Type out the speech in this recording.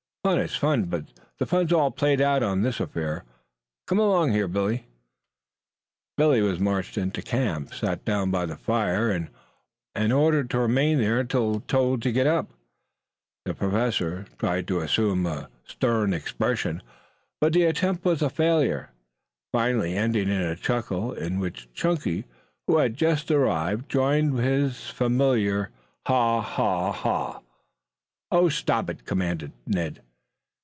Fun is fun, but the fun's all played out of this affair. Come along here, Billy." Billy was marched into camp, set down by the fire, and ordered to remain there till told to get up. The Professor tried to assume a stern expression, but the attempt was a failure, finally ending in a chuckle, in which Chunky, who had just arrived, joined with his familiar "haw, haw, haw." "Oh, stop it!" commanded Ned.